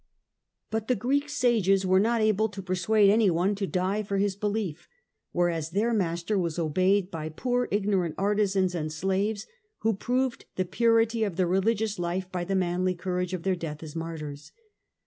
But the Greek sages were not able to persuade anyone to die for his belief, whereas their Master was obeyed by poor ignorant artisans and slaves, who proved the purity of their religious life by the manly courage of their death as martyrs.